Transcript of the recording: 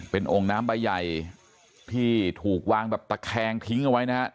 เป็นองค์น้ำใบใหญ่ที่ถูกวางแบบตะแคงทิ้งเอาไว้นะฮะ